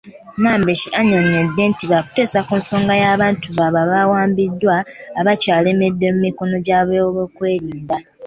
Nambeshe annyonnyodde nti baakuteesa ku nsonga y'abantu baabwe abaawambibwa abakyalemedde mu mikono gy'abeebyokwerinda.